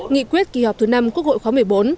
nghị quyết kỳ họp thứ năm quốc hội khóa một mươi bốn